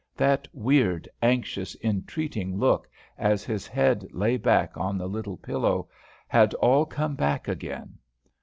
That weird, anxious, entreating look, as his head lay back on the little pillow, had all come back again.